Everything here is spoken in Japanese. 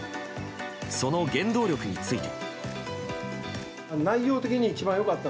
その原動力について。